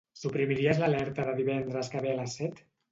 Suprimiries l'alerta de divendres que ve a les set?